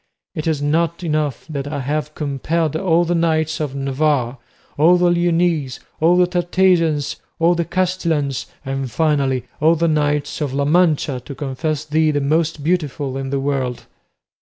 It is not enough that I have compelled all the knights of Navarre, all the Leonese, all the Tartesians, all the Castilians, and finally all the knights of La Mancha, to confess thee the most beautiful in the world?"